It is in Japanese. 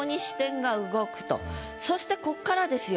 そしてここからですよ。